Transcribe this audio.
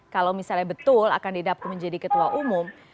kalau misalnya betul akan didap menjadi ketua umum